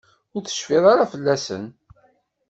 Ur tecfi ara fell-asen.